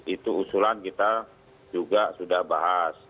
itu usulan kita juga sudah bahas